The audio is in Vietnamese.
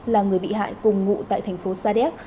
là người bị hại cùng ngụ tại thành phố sa điếc